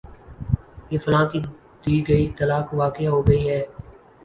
یا فلاں کی دی گئی طلاق واقع ہو گئی ہے